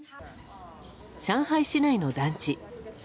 上海市内の団地。